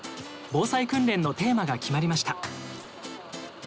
防災訓練のテーマが決まりました。